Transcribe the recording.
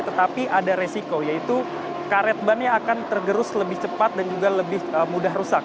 tetapi ada resiko yaitu karet bannya akan tergerus lebih cepat dan juga lebih mudah rusak